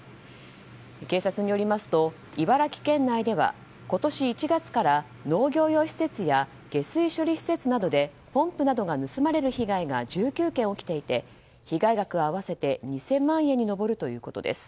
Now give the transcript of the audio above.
警察によりますと茨城県内では今年１月から農業用施設や下水処理施設などでポンプなどが盗まれる被害が１９件起きていて被害額は合わせて２０００万円に上るということです。